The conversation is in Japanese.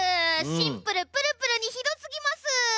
シンプルプルプルにひどすぎます。